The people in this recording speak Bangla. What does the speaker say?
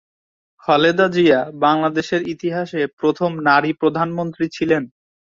খালেদা জিয়া বাংলাদেশের ইতিহাসে প্রথম নারী প্রধানমন্ত্রী ছিলেন।